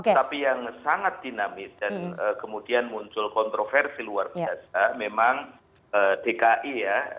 tapi yang sangat dinamis dan kemudian muncul kontroversi luar biasa memang dki ya